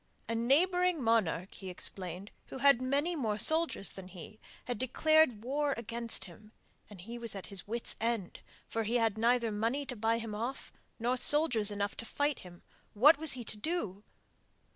A neighbouring monarch, he explained, who had many more soldiers than he, had declared war against him, and he was at his wits' end, for he had neither money to buy him off nor soldiers enough to fight him what was he to do?